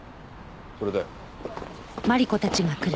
それだよ。